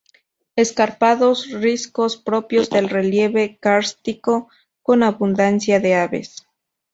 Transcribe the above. Escarpados riscos, propios del relieve kárstico, con abundancia de aves.